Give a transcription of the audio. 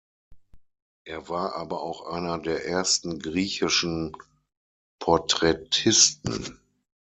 Er war aber auch einer der ersten griechischen Porträtisten.